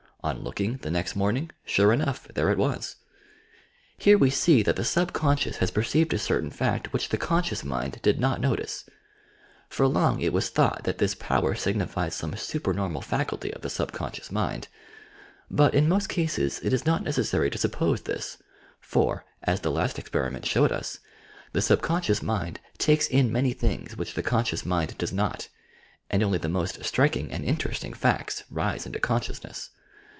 On looking, the next morning, sure enough there it was I Here we see that the subconscious has perceived a certain fact which the conscious mind did not notice. For long it was thought that this power signified some supernormal faculty of the subconscious mind, but in most cases it is not neces sary to suppose this, for, as the last experiment showed us, the subconscious mind takes in many things which the conscious mind does not, and only the most striking and interesting facts rise into consciousness.